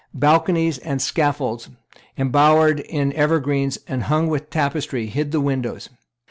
Balconies and scaffolds, embowered in evergreens and hung with tapestry, hid the windows.